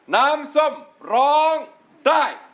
น้ำส้มร้องได้